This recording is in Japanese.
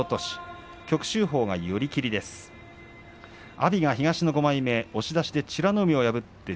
阿炎が東の５枚目押し出しで美ノ海を破りました。